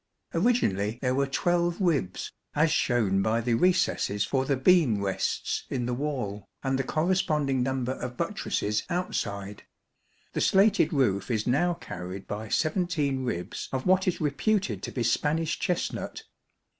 Originally there were twelve ribs, as shown by the recesses for the beam rests in the wall, and the corresponding number of buttresses outside; the slated roof is now carried by seventeen ribs of what is reputed to be Spanish chestnut.